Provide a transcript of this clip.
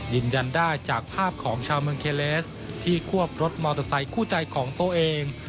ยืนยันได้จากภาพของชาวเมืองเคเลสที่ควบรถมอเตอร์ไซคู่ใจของตัวเอง